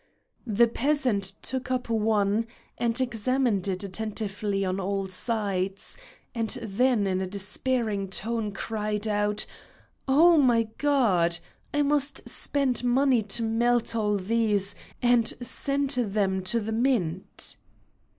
The peasant took up one and examined it attentively on all sides, and then in a despairing tone cried out: "Oh, my God! I must spend money to melt all these and send them to the mint."